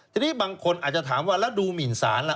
ทีนี้บางคนอาจจะถามว่าแล้วดูหมินสารล่ะ